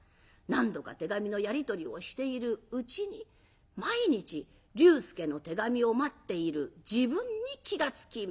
何度か手紙のやり取りをしているうちに毎日龍介の手紙を待っている自分に気が付きました。